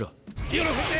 喜んで！